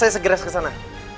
saya segera kesana